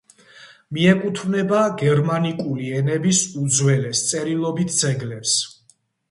მიეკუთვნება გერმანიკული ენების უძველეს წერილობით ძეგლებს.